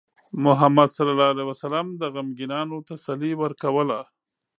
محمد صلى الله عليه وسلم د غمگینانو تسلي ورکوله.